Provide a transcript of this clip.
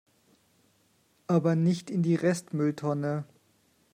Aber nicht in die Restmülltonne!